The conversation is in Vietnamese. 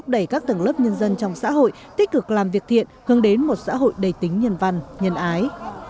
đẩy các tầng lớp nhân dân trong xã hội tích cực làm việc thiện hướng đến một xã hội đầy tính nhân văn nhân ái